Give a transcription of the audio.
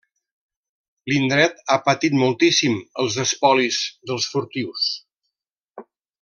L'indret ha patit moltíssim els espolis dels furtius.